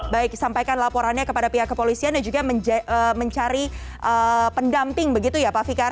baik sampaikan laporannya kepada pihak kepolisian dan juga mencari pendamping begitu ya pak fikar